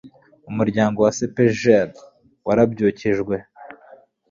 umuryango wa cepgl warabyukijwe